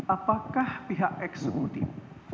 apakah pihak eksekutif